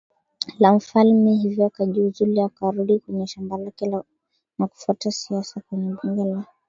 la mfalme hivyo akajiuzulu akarudi kwenye shamba lake na kufuata siasa kwenye bunge la